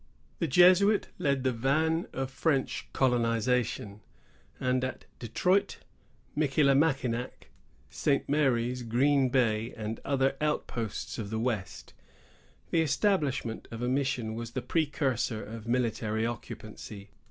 The Jesuit led the van of French colonization; and at Detroit, Michillimackinac, St. Mary's, Green Bay, and other outposts of the west, the establishment of a mission was the precursor of military occupancy.